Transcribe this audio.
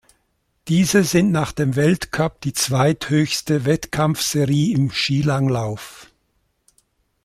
Diese sind nach dem Weltcup die zweithöchste Wettkampfserie im Skilanglauf.